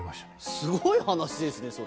すごい話ですね、それ。